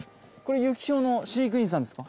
ユキヒョウの飼育員さんですか？